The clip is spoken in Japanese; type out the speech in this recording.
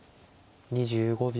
２５秒。